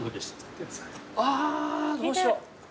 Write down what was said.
あどうしよう。